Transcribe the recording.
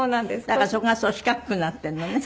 だからそこが四角くなってるのね？